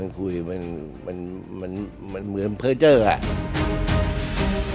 คุยมันเหมือนเพิ่งเจ้า